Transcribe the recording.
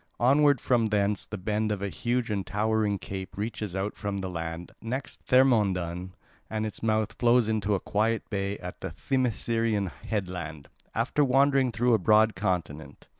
Onward from thence the bend of a huge and towering cape reaches out from the land, next Thermodon at its mouth flows into a quiet bay at the Themiscyreian headland, after wandering through a broad continent.